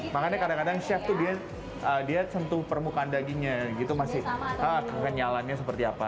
makanya kadang kadang chef tuh dia sentuh permukaan dagingnya gitu masih kekenyalannya seperti apa